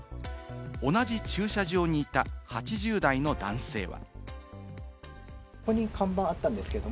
同じ駐車場にいた８０代の男性は。